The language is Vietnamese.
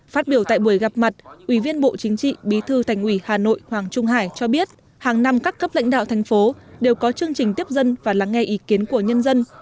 phát biểu tại buổi gặp mặt ủy viên bộ chính trị bí thư thành ủy hà nội hoàng trung hải cho biết hàng năm các cấp lãnh đạo thành phố đều có chương trình tiếp dân và lắng nghe ý kiến của nhân dân